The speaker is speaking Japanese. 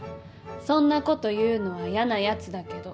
そんな事言うのはやなやつだけど。